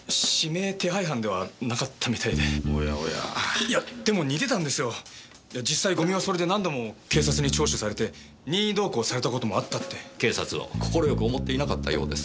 いや実際五味はそれで何度も警察に聴取されて任意同行された事もあったって。警察を快く思っていなかったようです。